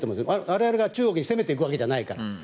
我々が中国に攻めていくわけじゃないから。